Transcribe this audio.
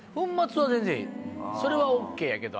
それはＯＫやけど。